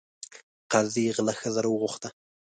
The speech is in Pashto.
قاضي غله ښځه راوغوښته.